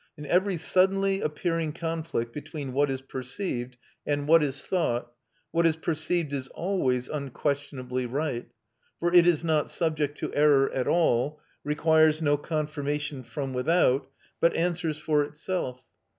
In every suddenly appearing conflict between what is perceived and what is thought, what is perceived is always unquestionably right; for it is not subject to error at all, requires no confirmation from without, but answers for itself.